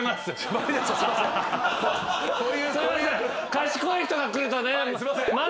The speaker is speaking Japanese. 賢い人が来るとね。